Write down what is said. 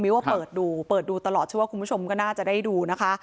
ว่าเปิดดูเปิดดูตลอดเชื่อว่าคุณผู้ชมก็น่าจะได้ดูนะคะ